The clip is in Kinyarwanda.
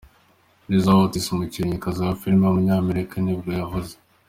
Lisa Ortiz, umukinnyikazi wa filime w’umunyamerika nibwo yavutse.